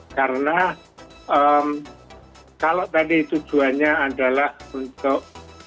karena kalau tadi tujuannya adalah untuk